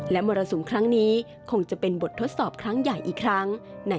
และมรสุมครั้งนี้คงจะเป็นบททดสอบครั้งใหญ่อีกครั้ง